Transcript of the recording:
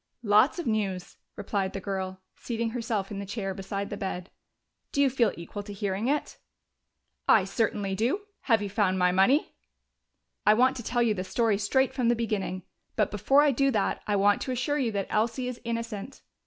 "Lots of news," replied the girl, seating herself in the chair beside the bed. "Do you feel equal to hearing it?" "I certainly do. Have you found my money?" "I want to tell you the story straight from the beginning. But before I do that, I want to assure you that Elsie is innocent.